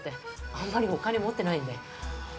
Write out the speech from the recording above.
あんまりお金持ってないんで。